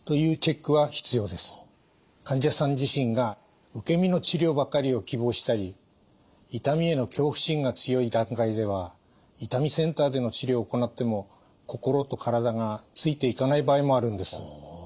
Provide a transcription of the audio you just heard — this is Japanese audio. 患者さん自身が受け身の治療ばかりを希望したり痛みへの恐怖心が強い段階では痛みセンターでの治療を行っても心と体がついていかない場合もあるんです。